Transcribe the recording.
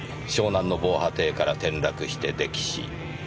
湘南の防波堤から転落して溺死。